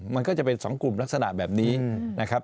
มันก็จะเป็น๒กลุ่มลักษณะแบบนี้นะครับ